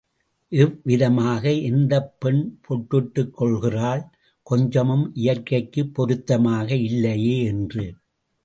இந்தவிதமாக எந்தப் பெண் பொட்டிட்டுக் கொள்கிறாள், கொஞ்சமும் இயற்கைக்குப் பொருத்தமாக இல்லையே என்று.